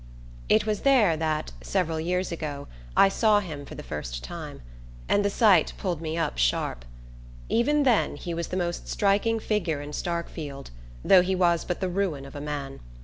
It was there that, several years ago, I saw him for the first time; and the sight pulled me up sharp. Even then he was the most striking figure in Starkfield, though he was but the ruin of a man.